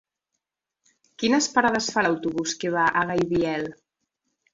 Quines parades fa l'autobús que va a Gaibiel?